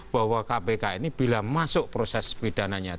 bahwa kpk ini bila masuk proses pidananya